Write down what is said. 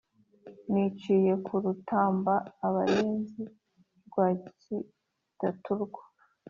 niciye ku rutamba abarenzi rwa kidaturwa,